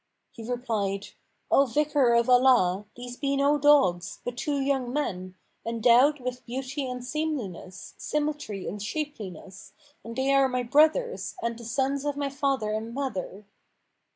He replied, "O Vicar of Allah, these be no dogs, but two young men, endowed with beauty and seemliness, symmetry and shapeliness, and they are my brothers and the sons of my father and mother."